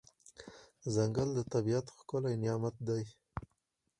ځنګل د طبیعت ښکلی نعمت دی.